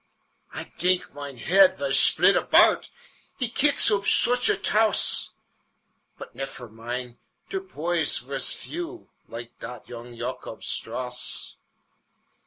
I dinks mine hed vas schplit abart, He kicks oup sooch a touse: But nefer mind; der poys vas few Like dot young Yawcob Strauss.